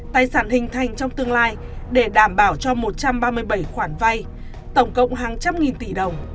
tài sản hình thành trong tương lai để đảm bảo cho một trăm ba mươi bảy khoản vay tổng cộng hàng trăm nghìn tỷ đồng